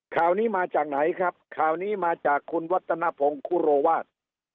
ข่าวนี้มาจากไหนครับข่าวนี้มาจากคุณวัฒนภงคุโรวาส